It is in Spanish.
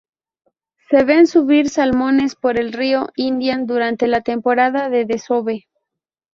Se ven subir salmones por el río Indian durante la temporada de desove.